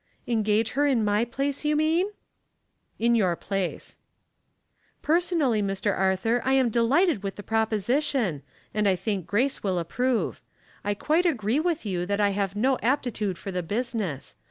" Engage her in my place, you mean ?*'" In your place." " Personally, Mr. Arthur, I am delighted with the proposition, and I think Grace will approve. I quite agree with you that I have no aptitude for the business.